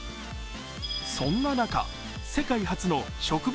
そんな中、世界初の植物